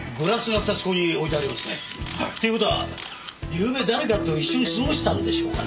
っていう事はゆうべ誰かと一緒に過ごしたんでしょうかね？